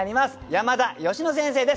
山田佳乃先生です